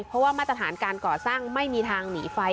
เพราะว่ามาตรฐานการก่อสร้างไม่มีทางหนีไฟ